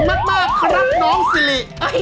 เก่งมากครับน้องสิริ